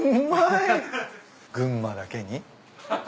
群馬だけに。